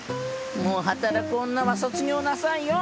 もう働く女は卒業なさいよ！